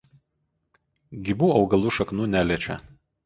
Gyvų augalų šaknų neliečia.